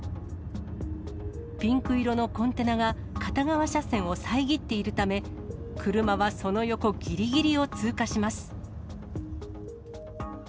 ピンク色のコンテナが、片側車線を遮っているため、車はその横ぎりぎりを通過します。